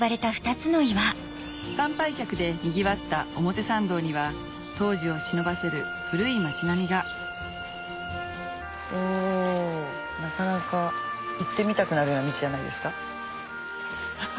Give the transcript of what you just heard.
参拝客でにぎわった表参道には当時をしのばせる古い町並みがおなかなか行ってみたくなるような道じゃないですか。